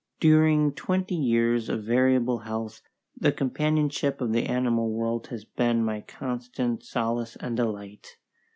During twenty years of variable health, the companionship of the animal world has been my constant solace and delight.